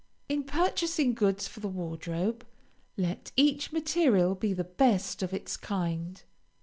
In purchasing goods for the wardrobe, let each material be the best of its kind.